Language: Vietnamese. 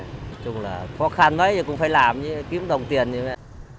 nói chung là khó khăn đấy thì cũng phải làm chứ kiếm đồng tiền gì mà